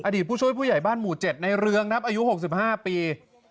ผู้ช่วยผู้ใหญ่บ้านหมู่๗ในเรืองครับอายุ๖๕ปี